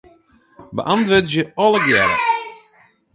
Beäntwurdzje allegearre.